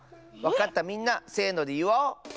わかったみんなせのでいおう！